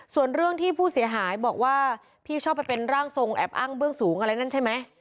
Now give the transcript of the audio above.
ส่วนเรื่องที่ผู้เสียหายบอกว่าพี่ชอบไปเป็นร่างทรงแอบอ้างเบื้องสูงอะไรนั่นใช่ไหม